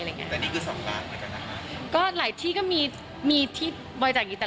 แล้วนี่คือสองหลากมาจากทางพ่อ